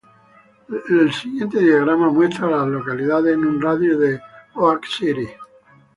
El siguiente diagrama muestra a las localidades en un radio de de Oak City.